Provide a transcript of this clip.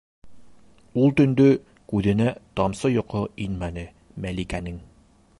Ул төндө күҙенә тамсы йоҡо инмәне Мәликәнең.